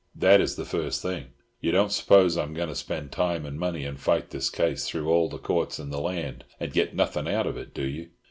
That is the first thing. You don't suppose I am going to spend time and money and fight this case through all the Courts in the land, and get nothing out of it, do you?